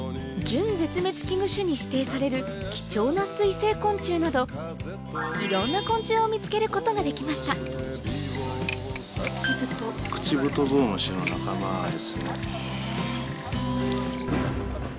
準絶滅危惧種に指定される貴重な水生昆虫などいろんな昆虫を見つけることができましたクチブトゾウムシの仲間ですね。